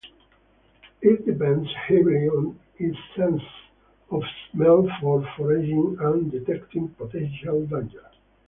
It depends heavily on its sense of smell for foraging and detecting potential danger.